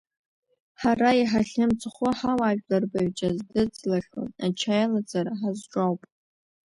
Ҳара иҳахьымӡӷу, ҳауаажәлар рбаҩҷа здыӡлахьоу ачаи алаҵара ҳазҿу ауп.